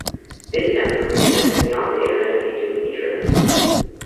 This network extends beyond the Internet into Intranets.